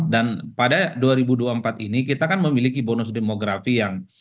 dan pada dua ribu dua puluh empat ini kita kan memiliki bonus demografi yang